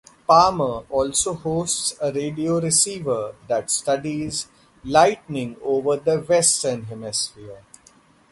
Palmer also hosts a radio receiver that studies lightning over the Western Hemisphere.